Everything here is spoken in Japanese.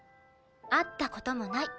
会った事もない。